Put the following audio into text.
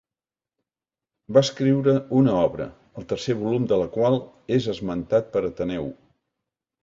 Va escriure una obra, el tercer volum de la qual és esmentat per Ateneu.